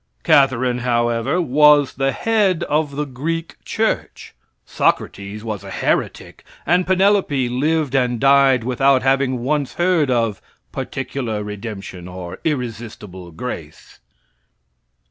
Catharine, however, was the head of the Greek Church, Socrates was a heretic, and Penelope lived and died without having once heard of "particular redemption," or "irresistible grace."